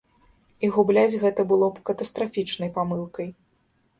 І губляць гэта было б катастрафічнай памылкай.